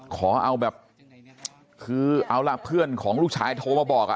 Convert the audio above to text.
ขอเอาแบบคือเอาล่ะเพื่อนของลูกชายโทรมาบอก